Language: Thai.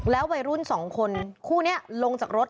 วัยรุ่น๒คนคู่นี้ลงจากรถ